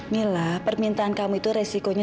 mila permintaan kamu itu resikonya